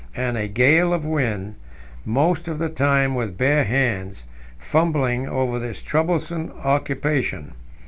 and a gale of wind, most of the time with bare hands, fumbling over this troublesome occupation.